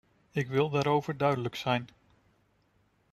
Ik wil daarover duidelijk zijn.